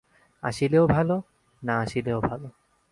আসিলেও ভাল, না আসিলেও ভাল।